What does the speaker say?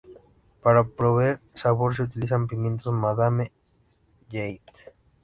Para proveer sabor se utilizan pimientos Madame Jeanette.